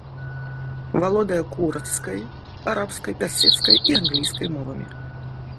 Валодае курдскай, арабскай, персідскай і англійскай мовамі.